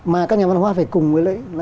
mà các nhà văn hóa phải cùng với lễ